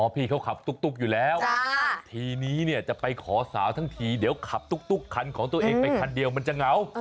พี่เขาขับตุ๊กอยู่แล้วทีนี้เนี่ยจะไปขอสาวทั้งทีเดี๋ยวขับตุ๊กคันของตัวเองไปคันเดียวมันจะเหงา